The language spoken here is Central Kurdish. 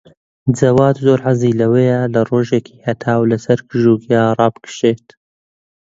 جەواد زۆر حەزی لەوەیە لە ڕۆژێکی هەتاو لەسەر گژوگیا ڕابکشێت.